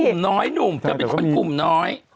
หนุ่มน้อยหนุ่มเธอเป็นคนกลุ่มน้อย